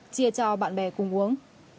chia cho bạn bè cùng uống